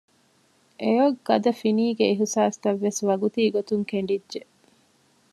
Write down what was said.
އެއޮތް ގަދަ ފިނީގެ އިހުސާސްތައްވެސް ވަގުތީގޮތުން ކެނޑިއްޖެ